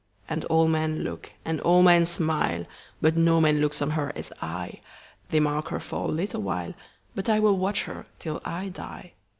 And all men look, and all men smile, But no man looks on her as I:They mark her for a little while, But I will watch her till I die.